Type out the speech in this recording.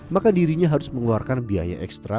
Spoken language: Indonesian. maka dirinya harus mengeluarkan biaya ekstra